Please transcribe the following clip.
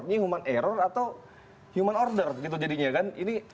ini human error atau human order gitu jadinya kan